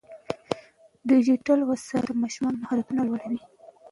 ډیجیټل وسایل د ماشومانو مهارتونه لوړوي.